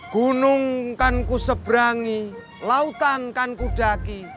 gunung kan ku sebrangi lautan kan ku daki